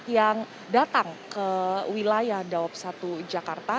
yang datang ke wilayah dawab satu jakarta